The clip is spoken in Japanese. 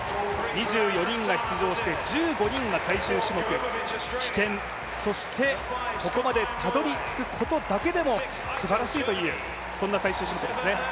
２４人が出場して１５人が最終種目、棄権、そしてここまでたどりつくことだけでもすばらしいという、そんな最終種目ですね。